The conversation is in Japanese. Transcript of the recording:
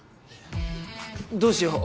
おおどうしよう？